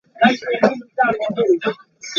Various other symbols of the president were defaced.